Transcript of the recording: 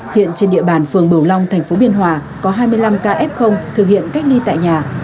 hiện trên địa bàn phường bầu long tp biên hòa có hai mươi năm ca f thực hiện cách ly tại nhà